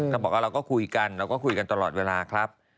ก็บอกว่าเราก็คุยกันเราก็คุยกันตลอดเวลาครับ